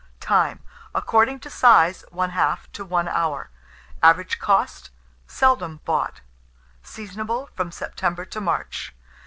Time. According to size, 1/2 to 1 hour. Average cost. Seldom bought. Seasonable from September to March.